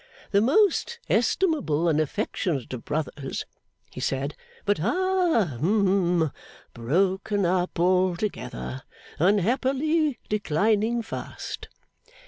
'The most estimable and affectionate of brothers,' he said, 'but ha, hum broken up altogether. Unhappily, declining fast.